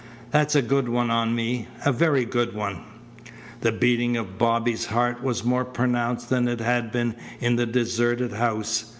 That's a good one on me a very good one." The beating of Bobby's heart was more pronounced than it had been in the deserted house.